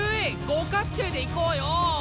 五角形でいこうよ！